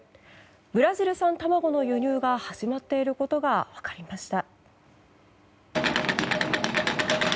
ブラジル産卵の輸入が始まっていることが分かりました。